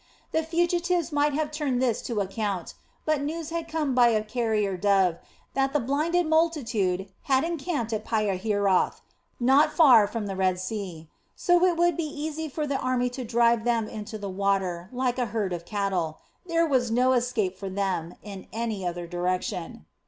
The fugitives might have turned this to account, but news had come by a carrier dove that the blinded multitude had encamped at Pihahiroth, not far from the Red Sea. So it would be easy for the army to drive them into the water like a herd of cattle; there was no escape for them in any other direction.